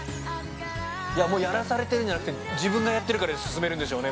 もうやらされてるんじゃなくて自分がやってるから進めるんでしょうね